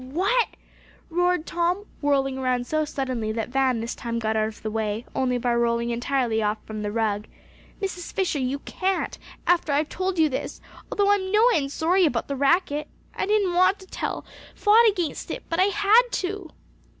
"What?" roared Tom, whirling around so suddenly that Van this time got out of the way only by rolling entirely off from the rug. "Mrs. Fisher you can't, after I've told you this, although I'm no end sorry about the racket. I didn't want to tell, fought against it, but I had to."